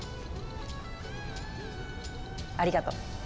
ありがと。